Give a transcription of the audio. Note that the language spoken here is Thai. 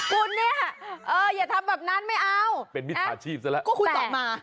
คุณเนี่ยเอออย่าทำแบบนั้นไม่เอาเป็นมิจฉาชีพซะแล้วก็คุณตอบมา